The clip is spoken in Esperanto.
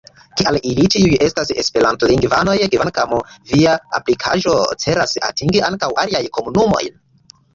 Kial ili ĉiuj estas esperantlingvanoj, kvankam via aplikaĵo celas atingi ankaŭ aliajn komunumojn?